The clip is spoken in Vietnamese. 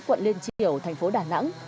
quận liên triều thành phố đà nẵng